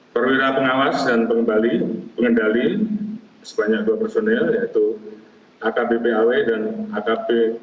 perwira pengawas dan pengembali pengendali sebanyak dua personil yaitu akppaw dan akpd